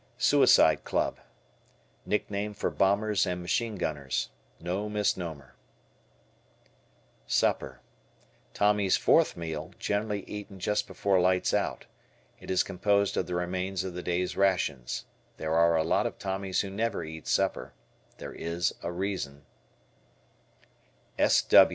"Suicide Club." Nickname for bombers and machine gunners. (No misnomer.) Supper. Tommy's fourth meal, generally eaten just before "lights out." It is composed of the remains of the day's rations. There are a lot of Tommies who never eat supper. There is a reason.